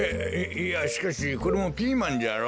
いやしかしこれもピーマンじゃろ？